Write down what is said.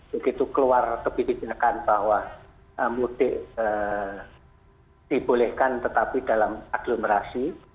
begitu keluar kebijakan bahwa mudik dibolehkan tetapi dalam aglomerasi